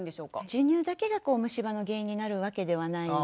授乳だけが虫歯の原因になるわけではないんですね。